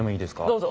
どうぞ。